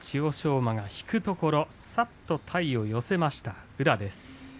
馬が引くところ、さっと体を寄せました宇良です。